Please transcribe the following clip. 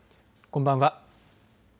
こんばんは。